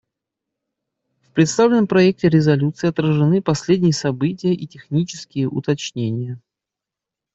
В представленном проекте резолюции отражены последние события и технические уточнения.